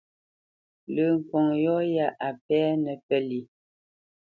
Lə́ ŋkɔŋ yɔ̂ yá a pɛ́nə́ pə́lye: